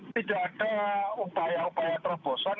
tidak ada upaya upaya terobosan